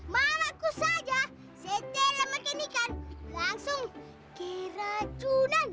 malaku saja setelah makan ikan langsung keracunan